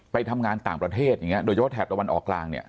ไปทำงานต่างประเทศอย่างนี้โดยเฉพาะแถบตะวันออกกลางเนี่ย